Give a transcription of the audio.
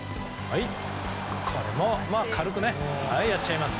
これも軽くやっちゃいます。